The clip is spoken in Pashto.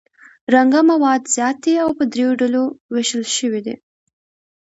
رنګه مواد زیات دي او په دریو ډولو ویشل شوي دي.